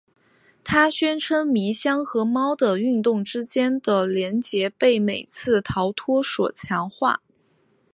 他宣称迷箱和猫的运动之间的联结被每次逃脱所强化。